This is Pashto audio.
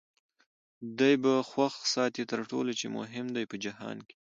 دی به خوښ ساتې تر ټولو چي مهم دی په جهان کي